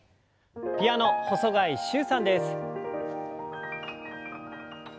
ピアノ細貝柊さんです。